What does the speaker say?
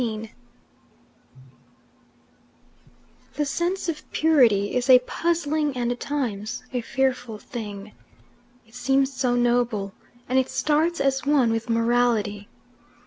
XV The sense of purity is a puzzling and at times a fearful thing. It seems so noble, and it starts as one with morality.